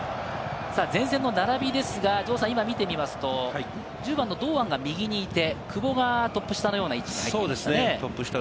前線の並びですが、今見てみますと、堂安が右にいて、久保がトップ下のような位置に入りましたね。